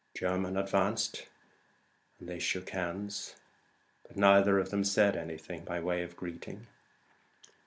Jermyn advanced, and they shook hands, but neither of them said anything by way of greeting.